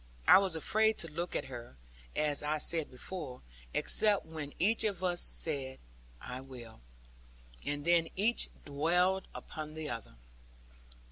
I was afraid to look at her, as I said before, except when each of us said, 'I will,' and then each dwelled upon the other.